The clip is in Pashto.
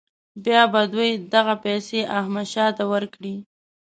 بیا به دوی دغه پیسې احمدشاه ته ورکړي.